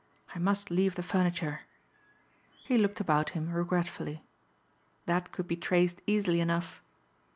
I must leave the furniture." He looked about him regretfully. "That could be traced easily enough."